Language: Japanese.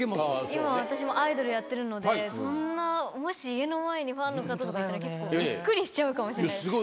今私もアイドルやってるのでそんなもし家の前にファンの方とかいたら結構ビックリしちゃうかもしれないです。